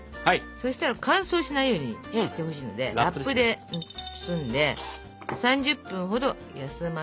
そしたら乾燥しないようにしてほしいのでラップで包んで３０分ほど休ませます。